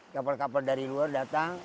kapal kapal dari luar datang